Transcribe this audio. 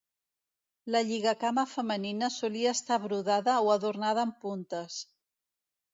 La lligacama femenina solia estar brodada o adornada amb puntes.